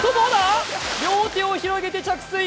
両手を広げて着水。